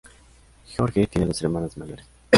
George tiene dos hermanas mayores.